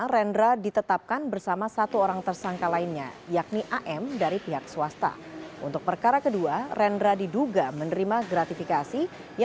rendra diduga menerima gratifikasi